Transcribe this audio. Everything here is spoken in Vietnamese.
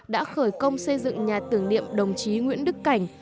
đã khởi công xây dựng nhà tưởng niệm đồng chí nguyễn đức cảnh